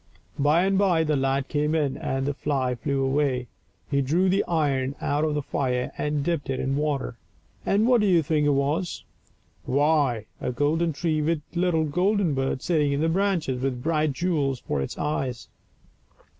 By and by the lad came in, and the fly flew away. He drew the iron out of the fire, and dipped it in the water, and what do you think it was ? Why, a golden tree with a little golden bird sitting in the branches, with bright jewels for its eyes.